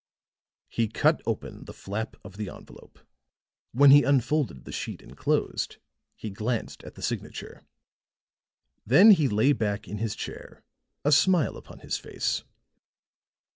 He cut open the flap of the envelope; when he unfolded the sheet enclosed, he glanced at the signature; then he lay back in his chair, a smile upon his face.